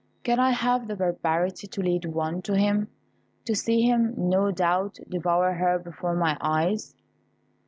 Can I have the barbarity to lead one to him, to see him, no doubt, devour her before my eyes?"